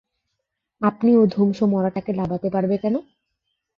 আপনি ও ধুমসো মড়াটাকে লাবাতে পারবে কেন?